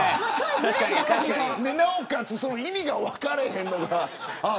なおかつ意味が分かれへんのが。